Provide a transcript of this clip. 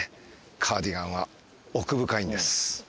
カーディガンは奥深いんです。